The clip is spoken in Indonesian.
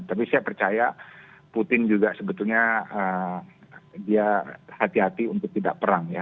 tapi saya percaya putin juga sebetulnya dia hati hati untuk tidak perang ya